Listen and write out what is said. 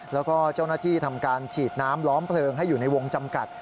แล้วก็เจ้าหน้าที่ทำการฉีดน้ำล้อมเพลิงให้อยู่ในวงจำกัด